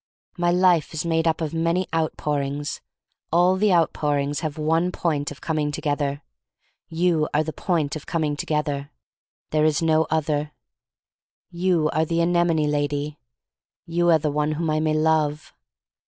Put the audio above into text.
"My life is made up of many out pourings. All the outpourings have one point of coming together. You are 3" 312 fHE STORY OF MARY MAC LANE the point of coming together. There is no other. 'You are the anemone lady. 'You are the one whom I may love.